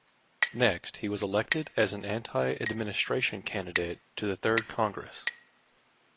Next, he was elected as an Anti-Administration candidate to the Third Congress.